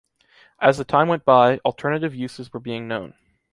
As the time went by, alternative uses were being known.